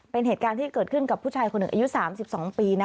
เป็นเหตุการณ์ที่เกิดขึ้นกับผู้ชายคนหนึ่งอายุ๓๒ปีนะ